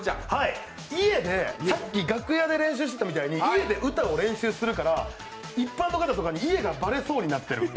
さっき楽屋で練習してたみたいに、家で練習するから一般の方とかに家がバレそうになってる。